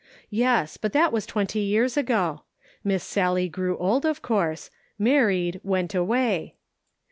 Yes, but that was twenty years ago. Miss Sallie grew old of course, married, went away.